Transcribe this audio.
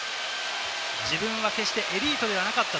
自分は決してエリートではなかった。